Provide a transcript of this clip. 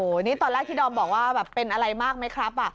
นี่ตอนแรกที่ดอมบอกว่าแบบเป็นอะไรมากไหมครับ